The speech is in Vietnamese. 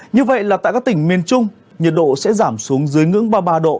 như vậy là tại các tỉnh miền trung nhiệt độ sẽ giảm xuống dưới ngưỡng ba mươi ba độ